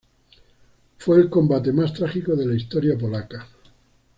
Fue el combate más trágico de la historia polaca.